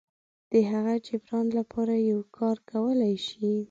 د هغه جبران لپاره یو کار کولی شي.